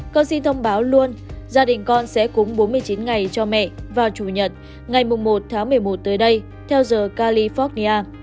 con xin thông báo luôn gia đình con sẽ cúng bốn mươi chín ngày cho mẹ vào chủ nhật ngày một tháng một mươi một tới đây theo giờ california